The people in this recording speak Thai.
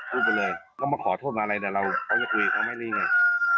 รูปไปเลยต้องมาขอโทษอะไรแต่เราต้องคุยกับเขาไม่ได้อย่างนั้น